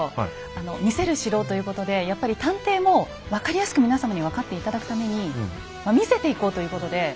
あの「見せる城」ということでやっぱり探偵も分かりやすく皆様に分かって頂くために見せていこうということで私体を張って。